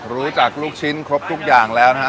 ลูกชิ้นครบทุกอย่างแล้วนะฮะ